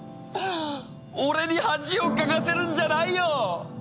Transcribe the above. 俺に恥をかかせるんじゃないよ！